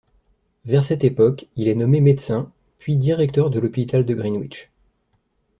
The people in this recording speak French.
Vers cette époque, il est nommé médecin, puis directeur de l'hôpital de Greenwich.